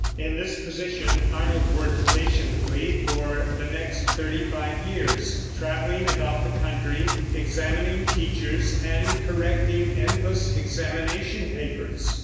In this position Arnold worked patiently for the next thirty five years, traveling about the country, examining teachers, and correcting endless examination papers.